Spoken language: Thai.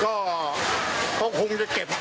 ก็คงจะเก็บ